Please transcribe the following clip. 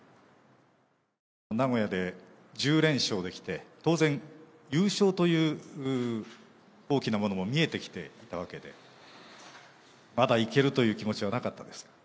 名古屋で１０連勝できて、当然、優勝という大きなものも見えてきていたわけで、まだいけるという気持ちはなかったですか？